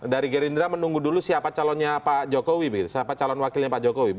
dari gerindra menunggu dulu siapa calonnya pak jokowi siapa calon wakilnya pak jokowi